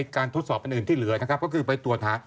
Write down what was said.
การทดสอบอันอื่นที่เหลือก็คือไปตรวจหา